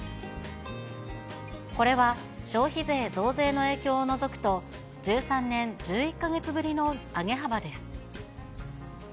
これは消費税増税の影響を除くと、１３年１１か月ぶりの上げ幅です。